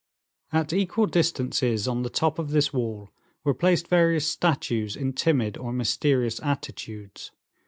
At equal distances on the top of this wall were placed various statues in timid or mysterious attitudes.